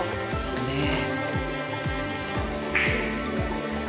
ねえ。